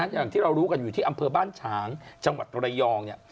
อย่างที่เรารู้กันอยู่ที่อำเภอบ้านฉางจังหวัดตระยองเนี่ย